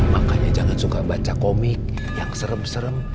makanya jangan suka baca komik yang serem serem